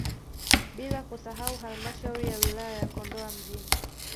Bila kusahau halmashauri ya wilaya ya Kondoa mjini